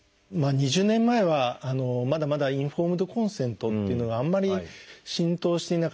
２０年前はまだまだインフォームドコンセントっていうのがあんまり浸透していなかったんですね。